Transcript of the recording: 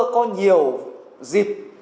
có nhiều dịp